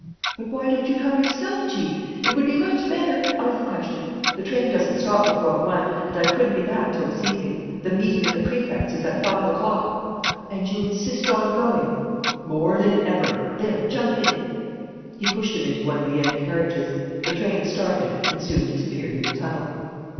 "But why don't you come yourself, Chief? It would be much better " "Out of the question. The train doesn't stop before Rouen; and I couldn't be back till this evening. The meeting at the Prefect's is at five o'clock." "And you insist on going?" "More than ever. There, jump in!" He pushed him into one of the end carriages. The train started and soon disappeared in the tunnel.